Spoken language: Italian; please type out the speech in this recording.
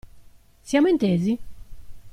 Siamo intesi?